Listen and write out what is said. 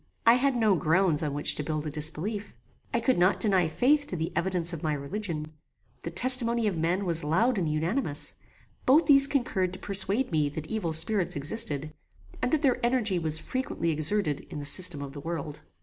I had no grounds on which to build a disbelief. I could not deny faith to the evidence of my religion; the testimony of men was loud and unanimous: both these concurred to persuade me that evil spirits existed, and that their energy was frequently exerted in the system of the world.